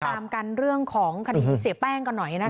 ตามกันเรื่องของคดีเสียแป้งกันหน่อยนะคะ